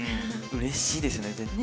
うれしいですね絶対。